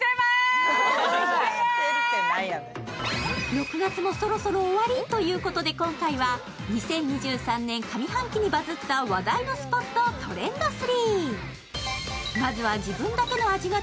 ６月もそろそろ終わりということで、今回は２０２３年上半期にバズった話題のスポット・トレンド３。